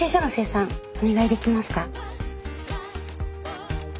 お願いできますか？